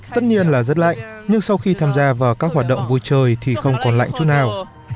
tất nhiên là rất lạnh nhưng sau khi tham gia vào các hoạt động vui chơi thì không còn lạnh chút nào